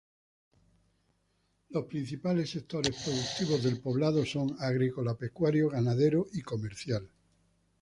Los principales sectores productivos del poblado son agrícola-pecuario, ganadero y comercial.